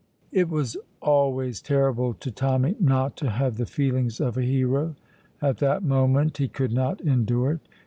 It was always terrible to Tommy not to have the feelings of a hero. At that moment he could not endure it.